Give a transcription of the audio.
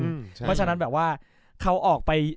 เพราะฉะนั้นแบบว่าเขาออกไป